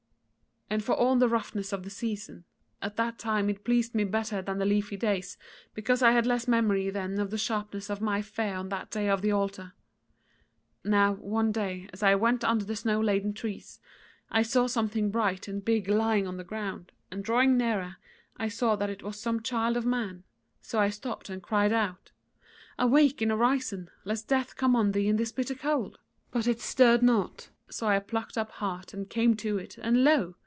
And for all the roughness of the season, at that time it pleased me better than the leafy days, because I had less memory then of the sharpness of my fear on that day of the altar. Now one day as I went under the snow laden trees, I saw something bright and big lying on the ground, and drawing nearer I saw that it was some child of man: so I stopped and cried out, 'Awake and arise, lest death come on thee in this bitter cold,' But it stirred not; so I plucked up heart and came up to it, and lo!